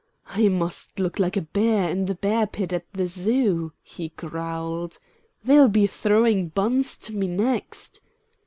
"I must look like a bear in the bear pit at the Zoo," he growled. "They'll be throwing buns to me next."